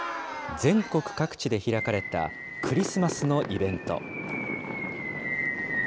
全国各地で開かれたクリスマスのイベント。